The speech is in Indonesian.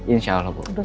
insya allah bu